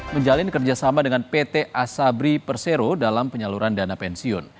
menjalin kerjasama dengan pt asabri persero dalam penyaluran dana pensiun